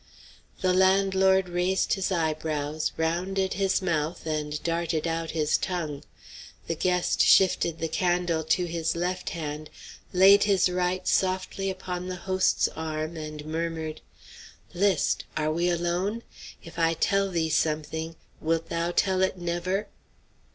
'" The landlord raised his eyebrows, rounded his mouth, and darted out his tongue. The guest shifted the candle to his left hand, laid his right softly upon the host's arm, and murmured: "List! Are we alone? If I tell thee something, wilt thou tell it never?"